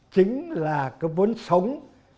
chính là cái vốn sống